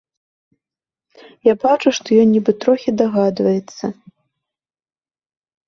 Я бачу, што ён нібы трохі дагадваецца.